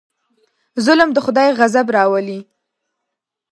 ظلم د خدای غضب راولي.